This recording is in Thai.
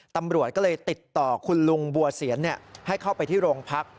ตำรวจก็เลยติดต่อคุณลุงบัวเสียนให้เข้าไปที่โรงพัก